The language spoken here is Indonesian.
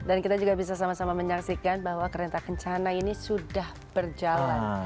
dan kita juga bisa sama sama menyaksikan bahwa kereta kencana ini sudah berjalan